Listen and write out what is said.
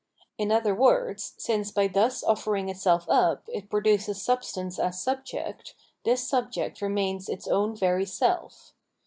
In other words, since by thus ofiering itself up, it produces substance as subject, this subject remains its own very self.